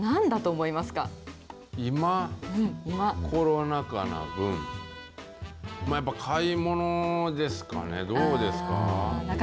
コロナ禍な分、やっぱり買い物ですかね、どうですか？